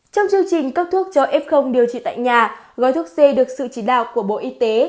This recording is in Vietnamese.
trong chương trình cấp thuốc cho f điều trị tại nhà gói thuốc c được sự chỉ đạo của bộ y tế